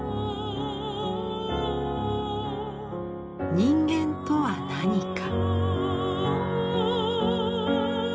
人間とは何か。